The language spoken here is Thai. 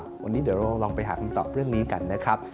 วันนี้เดี๋ยวเราลองไปหาคำตอบเรื่องนี้กันนะครับ